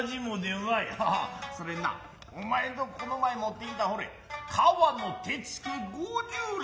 それになお前んとここの前もってきたほれ川の手付五十両。